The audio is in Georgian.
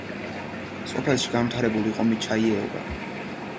სოფელში განვითარებული იყო მეჩაიეობა.